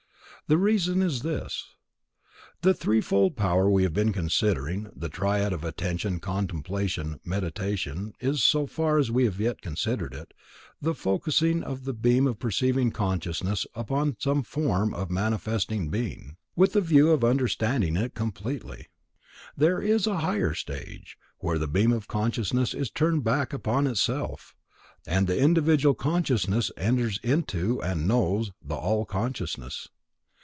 The reason is this: The threefold power we have been considering, the triad of Attention, Contemplation, Meditation is, so far as we have yet considered it, the focussing of the beam of perceiving consciousness upon some form of manifesting being, with a view of understanding it completely. There is a higher stage, where the beam of consciousness is turned back upon itself, and the individual consciousness enters into, and knows, the All consciousness.